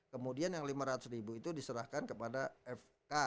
kemudian yang lima ratus ribu itu diserahkan kepada fk